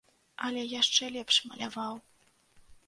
Але яшчэ лепш маляваў.